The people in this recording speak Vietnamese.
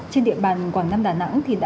trên địa bàn quảng nam đà nẵng